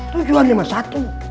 tujuan yang satu